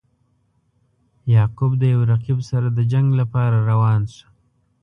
یعقوب د یو رقیب سره د جنګ لپاره روان شو.